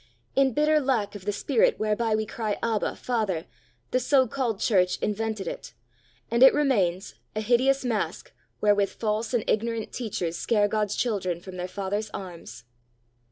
In bitter lack of the spirit whereby we cry Abba, Father, the so called Church invented it; and it remains, a hideous mask wherewith false and ignorant teachers scare God's children from their Father's arms."